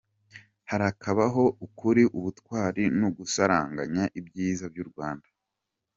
Harakabaho ukuri, ubutwari n’ugusaranganya ibyiza by’u Rwanda.